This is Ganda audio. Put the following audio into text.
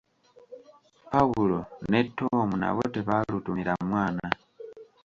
Paulo ne Tom nabo tebaalutumira mwana.